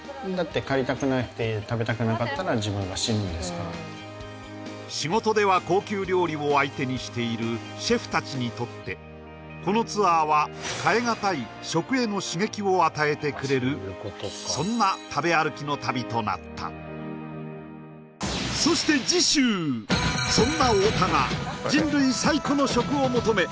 だって仕事では高級料理を相手にしているシェフたちにとってこのツアーはそんな食べ歩きの旅となったそしてそんな太田が人類最古の食を求め